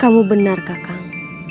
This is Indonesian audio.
kamu benar kakak